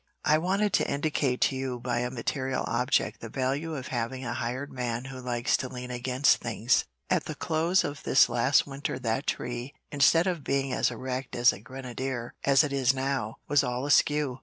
I wanted to indicate to you by a material object the value of having a hired man who likes to lean against things. At the close of this last winter that tree, instead of being as erect as a grenadier, as it now is, was all askew.